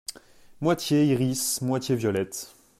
Moitié iris, moitié violette !